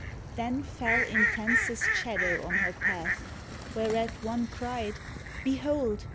Then fell intensest shadow on her path. Whereat one cried, "Behold